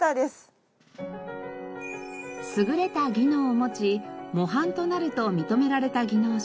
優れた技能を持ち模範となると認められた技能者